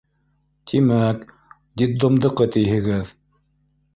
— Тимәк, детдомдыҡы тиһегеҙ.